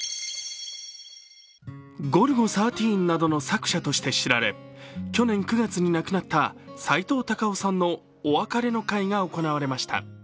「ゴルゴ１３」などの作者として知られ、去年９月に亡くなったさいとう・たかをさんのお別れの会が行われました。